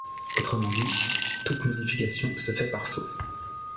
Autrement dit, toute modification se fait par saut.